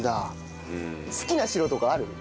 好きな城とかある？